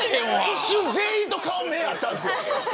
一瞬、全員と目が合ったんです。